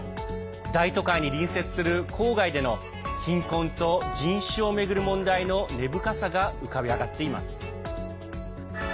大都会に隣接する郊外での貧困と人種を巡る問題の根深さが浮かび上がっています。